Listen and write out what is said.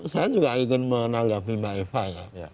saya juga ingin menanggapi ma'efa ya